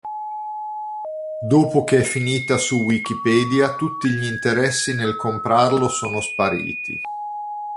Dopo che è finita su Wikipedia tutti gli interessi nel comprarlo sono spariti.